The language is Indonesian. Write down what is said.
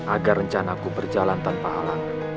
agar rencanaku berjalan tanpa halang